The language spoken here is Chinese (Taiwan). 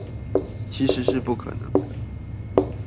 其實是不可能的